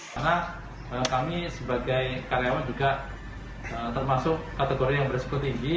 karena kami sebagai karyawan juga termasuk kategori yang beresiko tinggi